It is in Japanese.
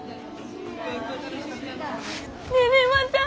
ねえねえ万ちゃん